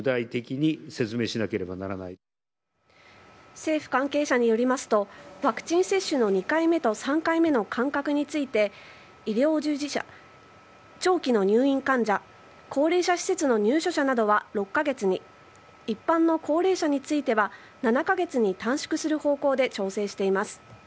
政府関係者によりますとワクチン接種の２回目と３回目の間隔について医療従事者長期の入院患者高齢者施設の入所者などは６カ月に一般の高齢者については７カ月に短縮する方向で調整しています。